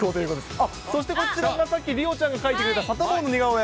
あっ、そしてこちらがさっき梨央ちゃんが描いてくれたサタボーの似顔絵。